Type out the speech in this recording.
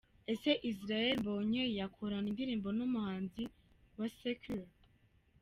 Ese Israel Mbonyi yakorana indirimbo n'umuhanzi wa 'Secular'?.